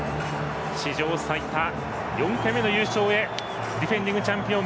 史上最多４回目の優勝へディフェンディングチャンピオン